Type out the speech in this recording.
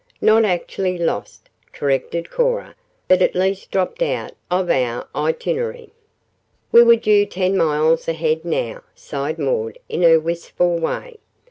"Not actually lost," corrected Cora, "but at least dropped out of our itinerary." "We were due ten miles ahead now," sighed Maud in her wistful way.